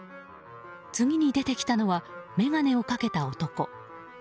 次に出てきたのは眼鏡をかけた男。